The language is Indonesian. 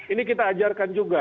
ini kita ajarkan juga